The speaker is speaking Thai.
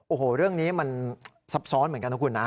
โอ้โหเรื่องนี้มันซับซ้อนเหมือนกันนะคุณนะ